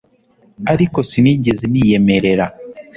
Ariko sinigeze niyemerera